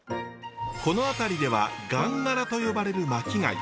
この辺りではガンガラと呼ばれる巻き貝。